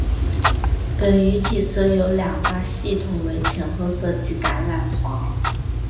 本鱼体色有两大系统为浅褐色及橄榄黄。